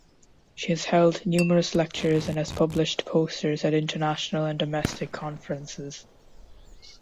She has held numerous lectures and has published posters at international and domestic conferences.